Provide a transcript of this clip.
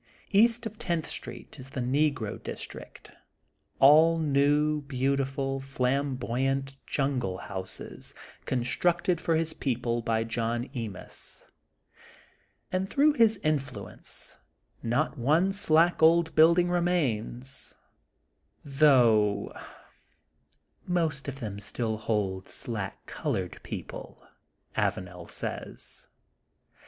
East of Tenth Street is the Negro district, all new, beautiful, flamboyant jungle houses, constructed for his people by John Emis, and through his influence not one slack old build ing remains, though, ''most of them still hold slack colored people, '* Avanel says.